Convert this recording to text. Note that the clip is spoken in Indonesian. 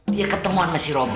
dia ketemuan sama si robby